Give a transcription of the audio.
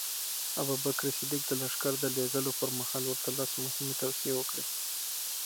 ابوبکر صدیق د لښکر د لېږلو پر مهال ورته لس مهمې توصیې وکړې.